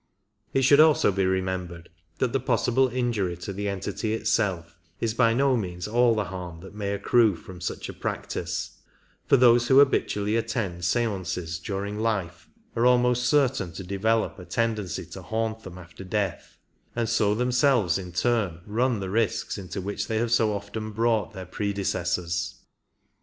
It should also be remembered that the possible injury to the entity itself is by no means all the harm that may accrue from such a practice, for those who habitually attend stances during life are almost certain to develop a tendency to haunt them after death, and so themselves in turn run the risks into which they have so often brought their pre decessors.